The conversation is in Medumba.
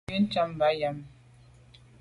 Nkù nde njam ba nyàm.